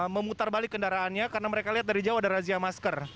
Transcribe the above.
memutar balik kendaraannya karena mereka lihat dari jauh ada razia masker